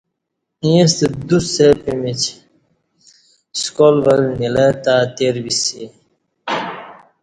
ییݩستہ دوڅ سہ پِیمِچ سکال ول نیلہ تہ تِیر بِیسی